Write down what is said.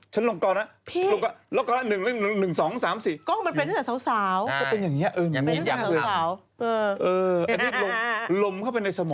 ฉันลงก